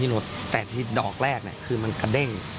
ย่นมาที่รถดอกแรกคือมันกระเด้ง